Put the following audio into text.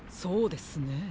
そうですね。